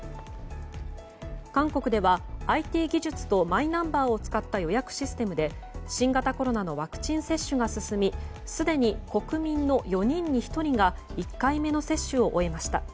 韓国では、ＩＴ技術とマイナンバーを使った予約システムで、新型コロナのワクチン接種が進みすでに国民の４人に１人が１回目の接種を終えました。